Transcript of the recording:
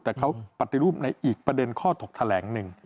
แต่เขาปฏิรูปในอีกประเด็นข้อถกแถลงหนึ่ง